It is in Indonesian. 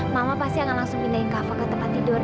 mama pasti akan langsung pindahin kafe ke tempat tidur